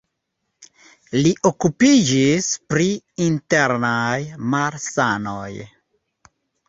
Li okupiĝis pri internaj malsanoj.